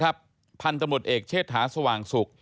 ท่านตมุตท์เอกเชศถาเสว่าให้สุข